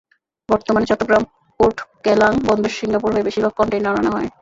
বর্তমানে চট্টগ্রাম-পোর্ট কেলাং বন্দরে সিঙ্গাপুর হয়ে বেশির ভাগ কনটেইনার আনা-নেওয়া হয়।